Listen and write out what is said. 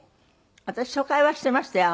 私疎開はしてましたよ